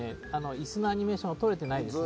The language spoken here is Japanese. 椅子のアニメーションがとれてないですね。